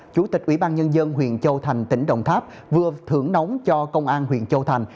chủ tịch ủy ban nhân dân huyện châu thành tỉnh đồng tháp vừa thưởng nóng cho công an huyện châu thành